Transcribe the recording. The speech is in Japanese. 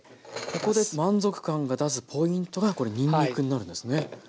ここで満足感を出すポイントがこれにんにくになるんですね。